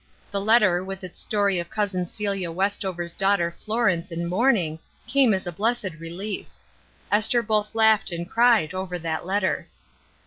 The letter, with its story of Cousin Celia Westover's daughter Florence in mourning, came as a blessed rehef. Esther both laughed and cried over that letter.